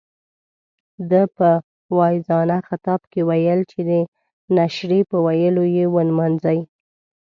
ده په واعظانه خطاب کې ویل چې د نشرې په ويلو یې ونمانځئ.